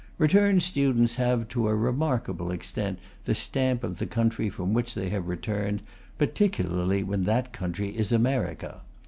Returned students have, to a remarkable extent, the stamp of the country from which they have returned, particularly when that country is America.